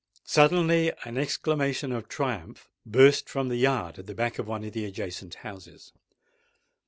Suddenly an exclamation of triumph burst from the yard at the back of one of the adjacent houses.